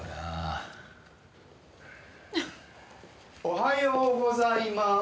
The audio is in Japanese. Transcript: おはようございまーす。